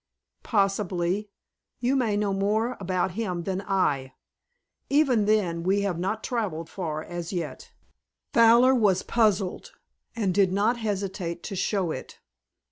"Possibly. You may know more about him than I." "Even then, we have not traveled far as yet." Fowler was puzzled, and did not hesitate to show it.